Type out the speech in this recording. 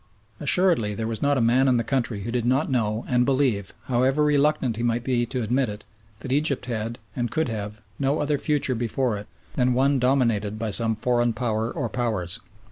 Assuredly there was not a man in the country who did not know and believe, however reluctant he might be to admit it, that Egypt had, and could have, no other future before it than one dominated by some foreign Power or Powers.